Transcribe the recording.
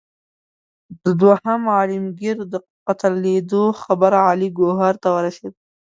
د دوهم عالمګیر د قتلېدلو خبر علي ګوهر ته ورسېد.